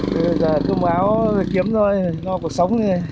bây giờ tôi mua áo kiếm thôi lo cuộc sống